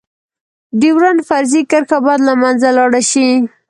ډيورنډ فرضي کرښه باید لمنځه لاړه شی.